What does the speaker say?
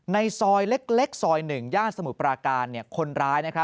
ในซอยเล็กซอย๑ย่านสมุทรปราการคนร้าย